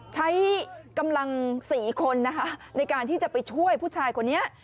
ใช้กำลัง๔คนนะคะในการที่จะไปช่วยผู้ชายคนนี้